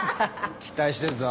期待してるぞ。